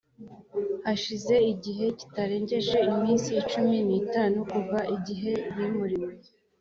hashize igihe kitarengeje iminsi cumi n itanu kuva igihe bimuriwe